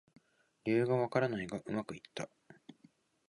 理由がわからないがうまくいった